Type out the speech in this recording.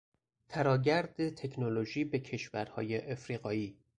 تراگرد تکنولوژی به کشورهای افریقایی